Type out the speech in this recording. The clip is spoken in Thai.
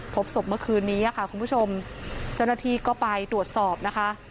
พบศพเมื่อคืนนี้ค่ะคุณผู้ชมเจ้าหน้าที่ก็ไปตรวจสอบนะคะ